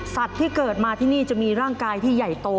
ที่เกิดมาที่นี่จะมีร่างกายที่ใหญ่โต